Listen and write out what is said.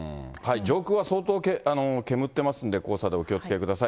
上空は相当、煙ってますんで、黄砂で、お気をつけください。